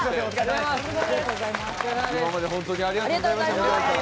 今までホントにありがとうございました。